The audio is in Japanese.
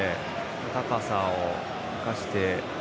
高さを生かして。